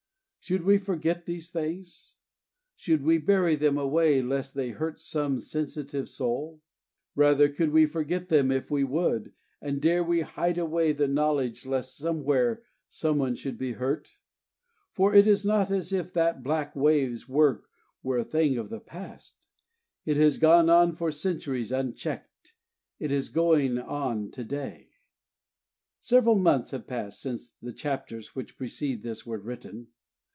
Should we forget these things? Should we bury them away lest they hurt some sensitive soul? Rather, could we forget them if we would, and dare we hide away the knowledge lest somewhere someone should be hurt? For it is not as if that black wave's work were a thing of the past: it has gone on for centuries unchecked: it is going on to day. Several months have passed since the chapters which precede this were written.